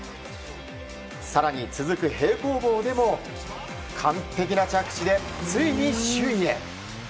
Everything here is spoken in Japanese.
更に続く平行棒でも完璧な着地でついに首位へ。